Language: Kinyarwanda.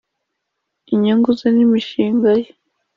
inyungu ze n’imishinga ye,